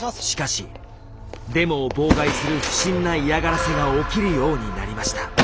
しかしデモを妨害する不審な嫌がらせが起きるようになりました。